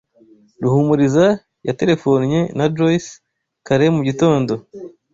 Ruhumuriza yaterefonnye na Joyce kare mu gitondo.